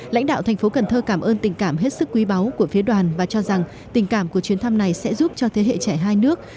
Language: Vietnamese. lãnh đạo thành phố cần thơ cảm ơn tình cảm hết sức quý báu của phía đoàn và cho rằng tình cảm của chuyến thăm này sẽ giúp cho thế hệ trẻ hai nước